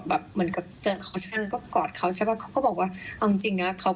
แล้วก็คือคุณหมอเองก็ยังให้เขาแยกตัวจากพวกเรา